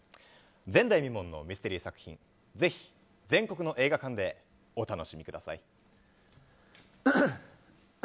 前代未聞のミステリー作品ぜひ全国の映画館でお楽しみください。